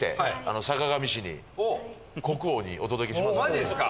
マジっすか。